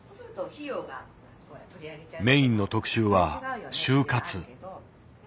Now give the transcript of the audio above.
メインの特集は「終活」。